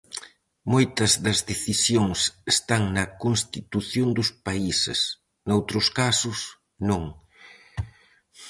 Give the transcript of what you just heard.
Moitas das decisións están na Constitución dos países, noutros casos, non.